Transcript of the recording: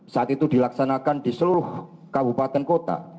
saat itu dilaksanakan di seluruh kabupaten kota